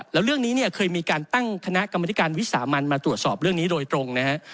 แล้วเรื่องนี้เนี่ยเคยมีการตั้งคณะกรรมธิการวิสามันมาตรวจสอบเรื่องนี้โดยตรงนะฮะ